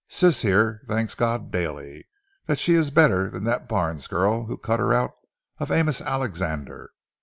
Sis here thanks God daily that she is better than that Barnes girl who cut her out of Amos Alexander.